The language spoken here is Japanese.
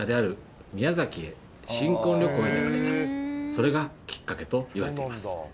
それがきっかけといわれています。